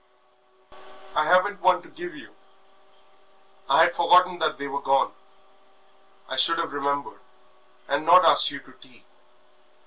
"I haven't one to give you; I had forgotten that they were gone. I should have remembered and not asked you to tea."